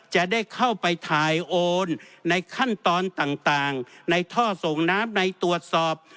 จะได้เข้าไปถ่ายโอนในขั้นตอนต่างในท่อส่งน้ำในตรวจสอบ